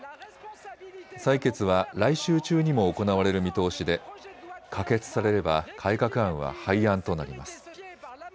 採決は来週中にも行われる見通しで可決されれば改革案は廃案となります。